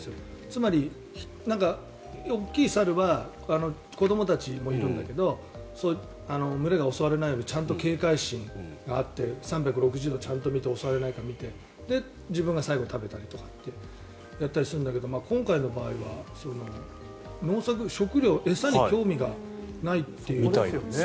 つまり、大きい猿は子どもたちもいるんだけど群れが襲われないようにちゃんと警戒心があって３６０度ちゃんと見て襲われないか見てで、自分が最後に食べたりとかってやったりするんだけど今回の場合は食料、餌に興味がないという。